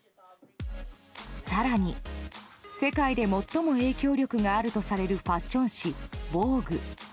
更に、世界で最も影響力があるとされるファッション誌「ＶＯＧＵＥ」。